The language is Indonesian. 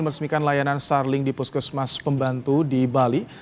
meresmikan layanan sarling di puskesmas pembantu di bali